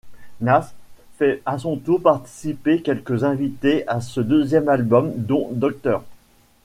Nas fait à son tour participer quelques invités à ce deuxième album, dont Dr.